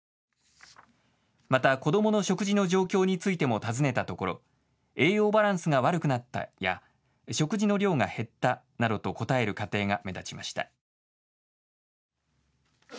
また子どもの食事の状況についても尋ねたところ栄養バランスが悪くなったや食事の量が減ったなどと答える家庭が目立ちました。